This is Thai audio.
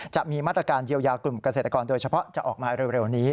จะมีมาตรการเยียวยากลุ่มเกษตรกรโดยเฉพาะจะออกมาเร็วนี้